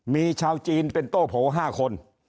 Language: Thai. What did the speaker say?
มีชาวจีนเป็นโต้โผ๕คน